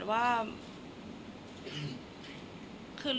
แต่ขวัญไม่สามารถสวมเขาให้แม่ขวัญได้